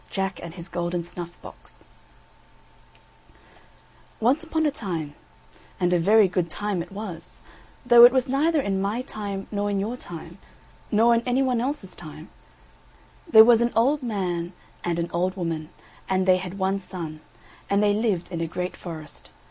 JACK AND HIS GOLDEN SNUFF BOX Once upon a time, and a very good time it was, though it was neither in my time nor in your time nor in any one else's time, there was an old man and an old woman, and they had one son, and they lived in a great forest.